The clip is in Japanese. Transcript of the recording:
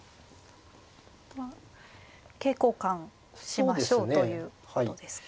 桂交換しましょうということですか。